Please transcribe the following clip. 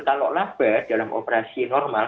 kalau labar dalam operasi normal